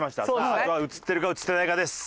あとは映ってるか映ってないかです。